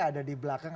ada di belakang